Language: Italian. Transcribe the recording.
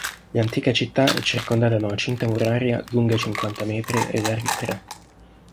L'antica città è circondata da una cinta muraria lunga cinquanta metri e larga tre.